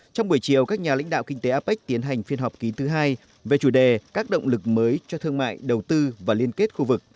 trong buổi chiều các nhà lãnh đạo kinh tế apec tiến hành phiên họp ký thứ hai về chủ đề các động lực mới cho thương mại đầu tư và liên kết khu vực